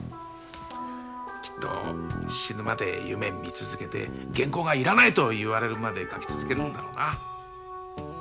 きっと死ぬまで夢見続けて原稿がいらないと言われるまで描き続けるんだろうな。